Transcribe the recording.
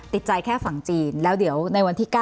ติดใจแค่ฝั่งจีนแล้วเดี๋ยวในวันที่๙